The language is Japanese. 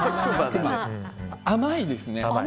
甘いですね。